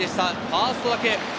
ファーストだけ。